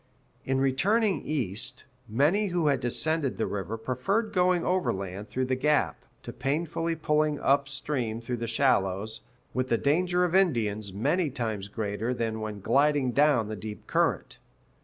In returning east, many who had descended the river preferred going overland through the Gap, to painfully pulling up stream through the shallows, with the danger of Indians many times greater than when gliding down the deep current.